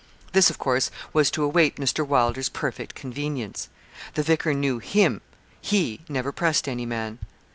This, of course, was to await Mr. Wylder's perfect convenience. The vicar knew him he never pressed any man.